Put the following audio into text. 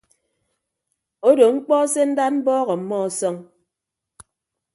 Odo mkpọ se ndad mbọọk ọmmọ ọsọñ.